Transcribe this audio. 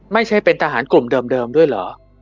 ไม่ใช่เป็นทหารกลุ่มเดิมด้วยเหรอ